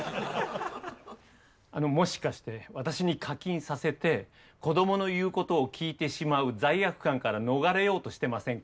もしかして私に課金させて子どもの言うことを聞いてしまう罪悪感から逃れようとしてませんか？